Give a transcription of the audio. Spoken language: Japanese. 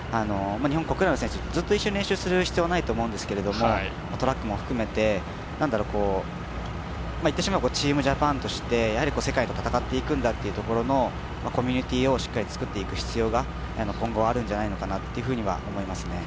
日本国内の選手、ずっと一緒に練習する必要はないんですけどトラックも含めて言ってしまえばチームジャパンとして世界と戦っていくんだというところのコミュニティーをしっかり作っていく必要が今後、あるんじゃないかなと思います。